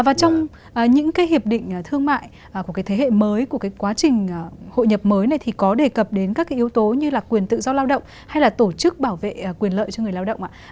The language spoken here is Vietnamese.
và trong những cái hiệp định thương mại của cái thế hệ mới của cái quá trình hội nhập mới này thì có đề cập đến các cái yếu tố như là quyền tự do lao động hay là tổ chức bảo vệ quyền lợi cho người lao động ạ